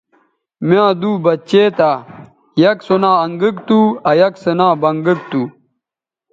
می یاں دُو بچے تھا یک سو نا انگک تھو آ یک سو نا بنگک تھو